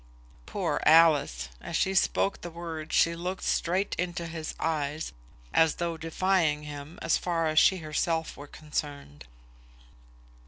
"Poor Alice!" As she spoke the words she looked straight into his eyes, as though defying him, as far as she herself were concerned.